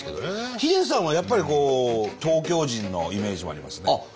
秀さんはやっぱりこう東京人のイメージもありますね。